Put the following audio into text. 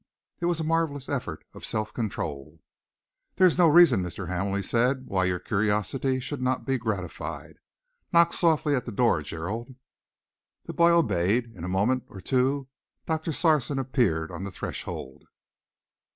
It was a marvellous effort of self control. "There is no reason, Mr. Hamel," he said, "why your curiosity should not be gratified. Knock softly at the door, Gerald." The boy obeyed. In a moment or two Doctor Sarson appeared on the threshold.